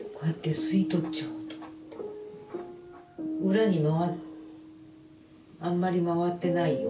裏にはあんまりまわってないよ